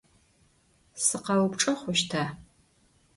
Sıkheupçç'e xhuşta?